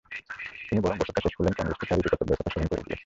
তিনি বরং বছরটা শেষ করলেন কংগ্রেসকে তার ইতিকর্তব্যের কথা স্মরণ করিয়ে দিয়ে।